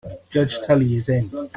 Judge Tully is in.